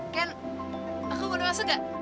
ken aku boleh masuk gak